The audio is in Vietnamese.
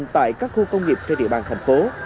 tại các khu công nghiệp trên địa bàn thành phố